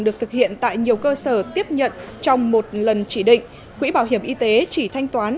được thực hiện tại nhiều cơ sở tiếp nhận trong một lần chỉ định quỹ bảo hiểm y tế chỉ thanh toán